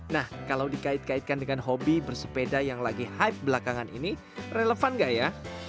nah kalau dikait kaitkan dengan hobi bersepeda yang lagi hype belakangan ini relevan nggak ya